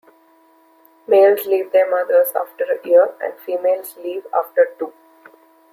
Males leave their mothers after a year and females leave after two.